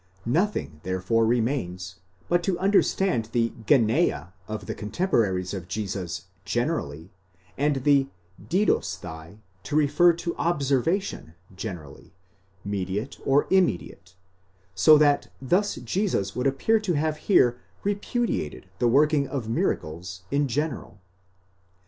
Nothing therefore remains but to understand the γενεὰ of the cotemporaries of Jesus generally, and the δίδοσθαι to refer to observa tion generally, mediate or immediate: so that thus Jesus would appear to have here repudiated the working of miracles in general.